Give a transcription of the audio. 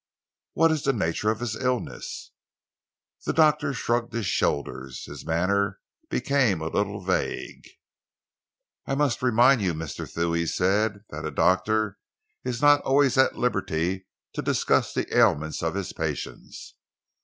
"What is the nature of his illness?" The doctor shrugged his shoulders. His manner became a little vague. "I must remind you, Mr. Thew," he said, "that a doctor is not always at liberty to discuss the ailments of his patients.